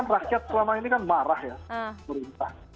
rakyat selama ini kan marah ya pemerintah